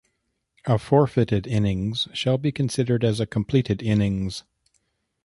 A forfeited innings shall be considered as a completed innings.